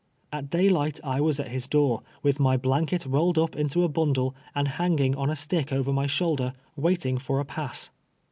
At daylight I was at his door, with my blanket rolled np into a bundle, and hanging on a stick over my shoulder, waiting for a pass.